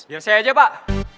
biar saya aja pak